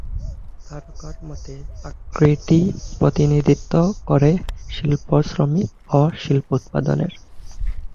তারকার মতো আকৃতি প্রতিনিধিত্ব করে, শিল্প শ্রমিক ও শিল্প উৎপাদনের।